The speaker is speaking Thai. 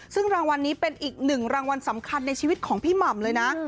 ซึ่งรางวัลนี้เป็นอีกหนึ่งรางวัลสำคัญในชีวิตของพี่หม่ำเลยนะ